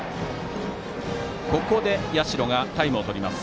ここで社がタイムを取ります。